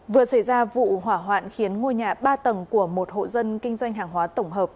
vừa xảy ra vụ hỏa hoạn khiến ngôi nhà ba tầng của một hộ dân kinh doanh hàng hóa tổng hợp